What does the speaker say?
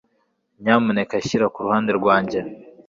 Nyamuneka shyira ku ruhande rwanjye